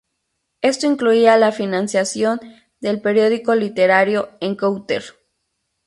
Esto incluía la financiación del periódico literario "Encounter".